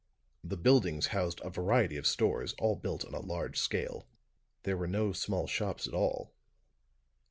The buildings housed a variety of stores, all built on a large scale. There were no small shops at all.